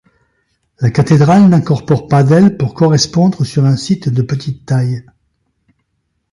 La cathédrale n'incorpore pas d'ailes pour correspondre sur un site de petite taille.